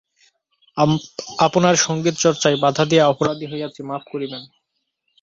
আপনার সংগীতচর্চায় বাধা দিয়া অপরাধী হইয়াছি–মাপ করিবেন।